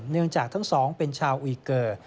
เนื่องจากทั้งสองเป็นชาวอุยเกอร์